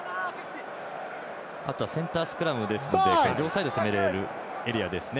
あとはセンタースクラムですので両サイドを攻めれるエリアですね。